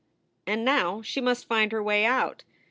And now she must find her way out.